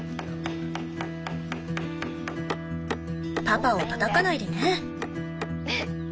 パパをたたかないでね。